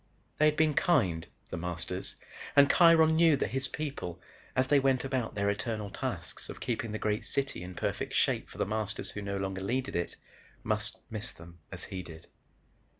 They had been kind, The Masters, and Kiron knew that his people, as they went about their eternal tasks of keeping the great city in perfect shape for The Masters who no longer needed it, must miss them as he did.